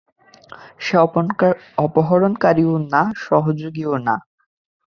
সে অপহরণকারীও না সহযোগীও না।